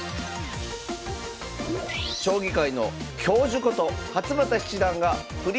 将棋界の教授こと勝又七段が振り